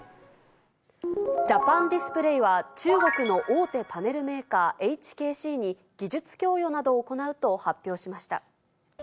ジャパンディスプレイは、中国の大手パネルメーカー、ＨＫＣに技術供与などを行うと発表しました。